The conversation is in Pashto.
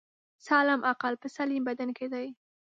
سالم عقل په سلیم بدن کی دی